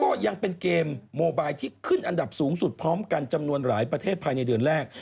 ก็ยังเป็นเกมโมบายที่ขึ้นอันดับสูงสุดพร้อมกันจำนวนหลายประเทศภายในเดือนแรก